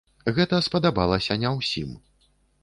Гэта спадабалася не ўсім.